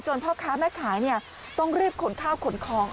จนพระคะแม่ขายต้องเรียบขนข้าวขนของ